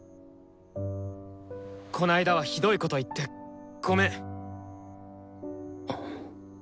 この間はひどいこと言ってごめん。